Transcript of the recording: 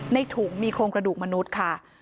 ในถุงมีโครงกระดูกมนุษย์ค่ะ